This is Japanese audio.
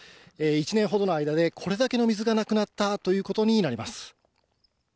１年ほどの間で、これだけの水がなくなったということになります。